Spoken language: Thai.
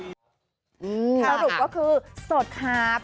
สรุปก็คือสดครับ